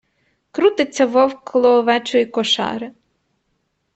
Крутиться вовк коло овечої кошари.